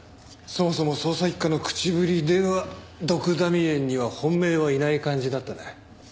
そもそも捜査一課の口ぶりではドクダミ園には本命はいない感じだったな。